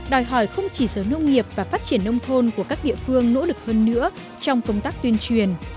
đòi hỏi không chỉ sở nông nghiệp và phát triển nông thôn của các địa phương nỗ lực hơn nữa trong công tác tuyên truyền